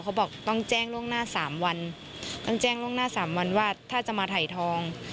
เขาบอกต้องแจ้งล่วงหน้าสามวันต้องแจ้งล่วงหน้าสามวันว่าถ้าจะมาถ่ายทอง